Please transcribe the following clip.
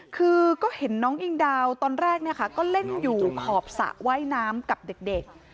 คือก็เห็นน้องอิงดาวตอนแรกก็เล่นอยู่ขอบสระว่ายน้ำกับเด็ก